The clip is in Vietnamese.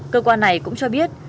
cơ quan này cũng cho biết